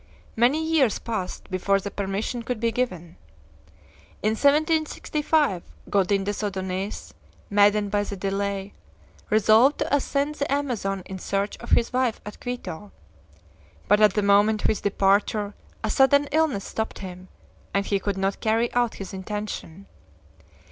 Many years passed before the permission could be given. In 1765 Godin des Odonais, maddened by the delay, resolved to ascend the Amazon in search of his wife at Quito; but at the moment of his departure a sudden illness stopped him, and he could not carry out his intention.